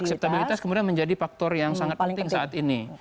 akseptabilitas kemudian menjadi faktor yang sangat penting saat ini